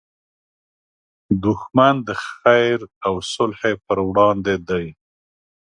دښمن د خیر او صلحې پر وړاندې دی